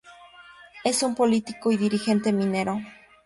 Es un político y Dirigente minero.